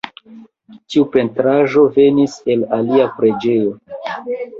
Tiu pentraĵo venis el alia preĝejo.